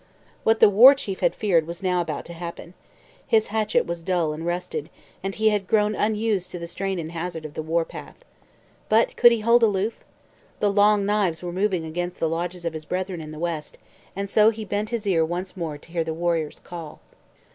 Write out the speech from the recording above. What the War Chief had feared was now about to happen. His hatchet was dull and rusted, and he had grown unused to the strain and hazard of the war path. But could he hold aloof? The 'Long Knives' were moving against the lodges of his brethren in the west, and so he bent his ear once more to hear the warrior's call.